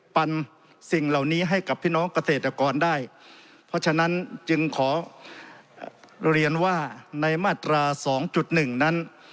ปันสิ่งเหล่านี้ให้กับพี่น้องเกษตรกรได้เพราะฉะนั้นจึงขอเรียนว่าในมาตราสองจุดหนึ่งนั้น